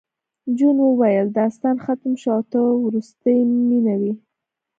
جون وویل داستان ختم شو او ته وروستۍ مینه وې